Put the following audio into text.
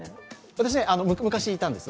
私、昔いたんです。